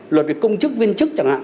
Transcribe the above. luật việc công chức viên chức chẳng hạn